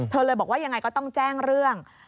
เลยบอกว่ายังไงก็ต้องแจ้งเรื่อง